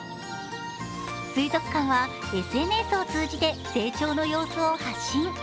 水族館はＳＮＳを通じて成長の様子を発信。